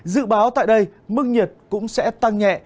dự báo tại đây mức nhiệt cũng sẽ tăng nhẹ